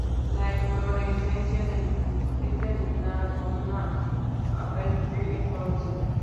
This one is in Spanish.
La inflorescencia es terminal, con una a veinte flores.